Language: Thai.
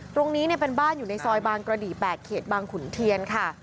ตรงนี้เป็นบ้านอยู่ในซอยบางกระดี๘เขตบางขุนเทียนค่ะ